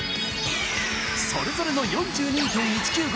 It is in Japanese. それぞれの４２．１９５